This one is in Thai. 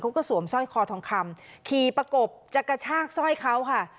สวมสร้อยคอทองคำขี่ประกบจะกระชากสร้อยเขาค่ะ